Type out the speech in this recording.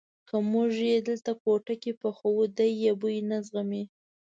که موږ یې دلته کوټه کې پخو دی یې بوی نه زغمي.